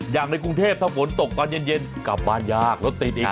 อย่างในกรุงเทพถ้าฝนตกตอนเย็นกลับบ้านยากรถติดอีก